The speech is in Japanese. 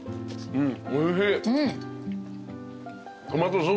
うん。